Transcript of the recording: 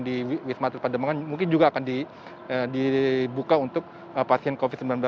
di wisma atlet pademangan mungkin juga akan dibuka untuk pasien covid sembilan belas